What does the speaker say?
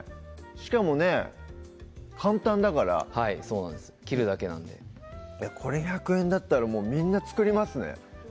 しかもね簡単だからそうなんです切るだけなんでこれ１００円だったらみんな作りますね